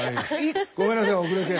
ごめんなさい遅れて。